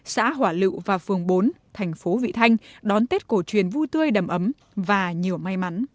xã hỏa lựu và phường bốn thành phố vị thanh đón tết cổ truyền vui tươi đầm ấm và nhiều may mắn